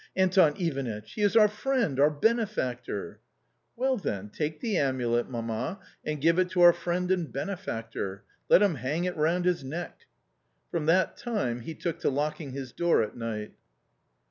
Anton Ivanitch — he is our friend, our bene factor !"" Well, then, take the amulet, mamma, and give it to our friend and benefactor ; let him hang it round his neck." From that time he took to locking his door at night.